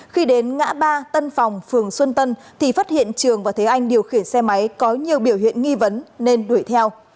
khi đến ngã ba tân phòng phường xuân tân thì phát hiện trường và thế anh điều khiển xe máy có nhiều biểu hiện nghi vấn nên đuổi theo